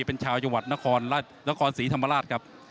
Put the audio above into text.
เป็นชาวจังหวัดนครนครศรีธรรมราชครับ